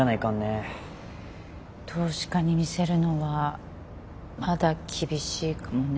投資家に見せるのはまだ厳しいかもね。